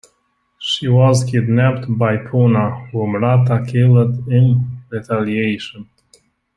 She was kidnapped by Puna, whom Rata killed in retaliation.